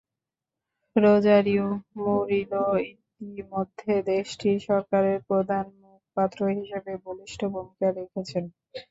Rosario Murillo ইতিমধ্যে দেশটির সরকারের প্রধান মুখপাত্র হিসেবে বলিষ্ঠ ভূমিকা রেখেছেন।